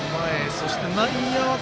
そして、内野は。